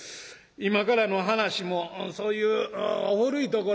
今からの噺もそういう古いところ。